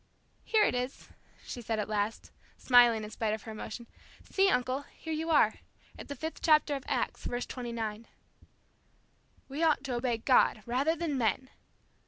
"Here it is," she said at last, smiling in spite of her emotion. "See, uncle, here you are, at the fifth chapter of Acts, verse 29." "'We ought to obey God, rather than men!'"